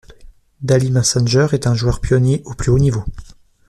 Dally Messenger est un joueur pionnier au plus haut niveau.